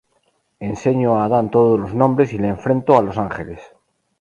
Enseño a Adan todos los nombres y le enfrento a los ángeles.